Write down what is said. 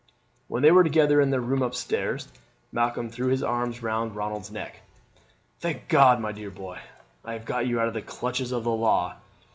When they were together in their room up stairs Malcolm threw his arms round Ronald's neck. "Thank God, my dear boy, I have got you out of the clutches of the law!